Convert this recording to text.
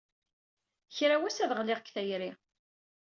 Kra n wass, ad ɣliɣ deg tayri.